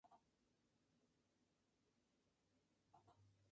Por siglos se ha sostenido la responsabilidad judía de la muerte de Jesús.